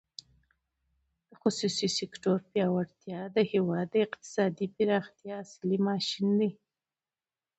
د خصوصي سکتور پیاوړتیا د هېواد د اقتصادي پراختیا اصلي ماشین دی.